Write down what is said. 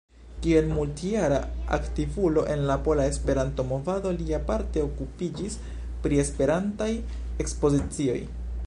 Kiel multjara aktivulo en la pola Esperanto-movado li aparte okupiĝis pri Esperantaj ekspozicioj.